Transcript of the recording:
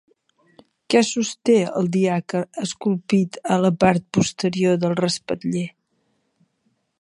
Què sosté el diaca esculpit a la part posterior del respatller?